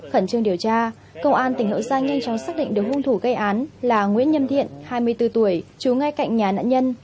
khẩn trương điều tra công an tỉnh hậu giang nhanh chóng xác định được hung thủ gây án là nguyễn nhâm thiện hai mươi bốn tuổi chú ngay cạnh nhà nạn nhân